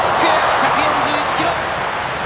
１４１キロ！